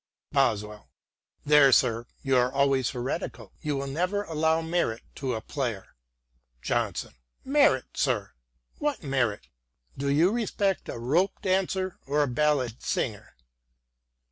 " Boswell :" There, sir, you are always heretical ■ you never will allow merit to a player." Johnson ;" Merit, sir — what merit f Do you respect a rope dancer or a ballad singer